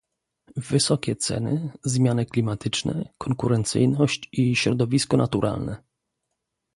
wysokie ceny, zmiany klimatyczne, konkurencyjność i środowisko naturalne